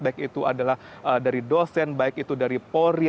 baik itu adalah dari dosen baik itu dari polri